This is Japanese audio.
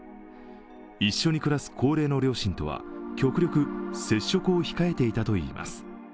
一緒に暮らす高齢の両親とは極力接触を控えていたといいます。